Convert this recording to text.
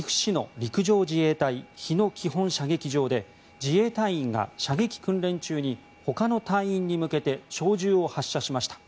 陸上自衛隊日野基本射撃場で自衛隊員が射撃訓練中にほかの隊員に向けて小銃を発射しました。